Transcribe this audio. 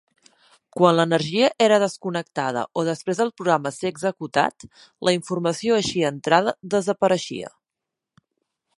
Quan l'energia era desconnectada o després del programa ser executat, la informació així entrada desapareixia.